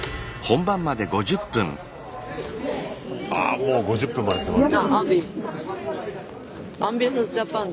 ああもう５０分まで迫ってる。